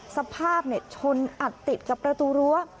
สภาพชนอัดติดกับประตูรั้ว